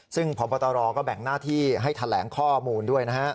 ซึ่งพบตรก็แบ่งหน้าที่ให้แถลงข้อมูลด้วยนะฮะ